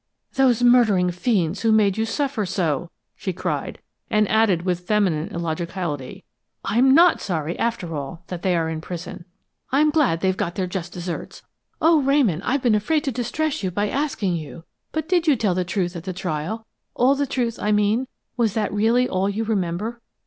"Those murdering fiends, who made you suffer so!" she cried, and added with feminine illogicality: "I'm not sorry, after all, that they're in prison! I'm glad they've got their just deserts. Oh, Ramon, I've been afraid to distress you by asking you, but did you tell the truth at the trial all the truth, I mean? Was that really all you remember?"